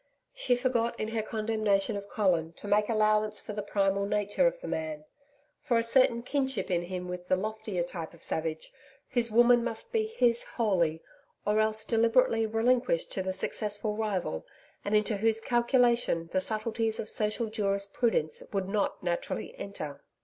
She forgot in her condemnation of Colin to make allowance for the primal nature of the man; for a certain kinship in him with the loftier type of savage, whose woman must be his wholly, or else deliberately relinquished to the successful rival, and into whose calculation the subtleties of social jurisprudence would not naturally enter.